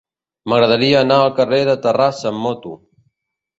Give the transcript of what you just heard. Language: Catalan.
M'agradaria anar al carrer de Terrassa amb moto.